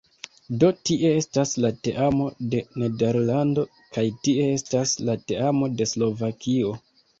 Do tie estas la teamo de Nederlando kaj tie estas la teamo de Slovakio